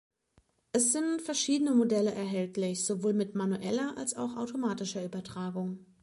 Es sind verschiedene Modelle erhältlich, sowohl mit manueller als auch automatischer Übertragung.